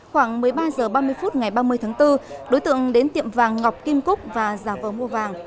khoảng một mươi ba h ba mươi phút ngày ba mươi tháng bốn đối tượng đến tiệm vàng ngọc kim cúc và giả vờ mua vàng